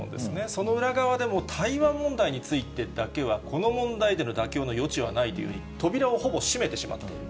その裏側で、もう台湾問題についてだけは、この問題での妥協の余地はないというふうに、扉をほぼ閉めてしまっている。